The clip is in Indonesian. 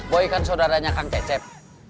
boy kan saudaranya kang cecep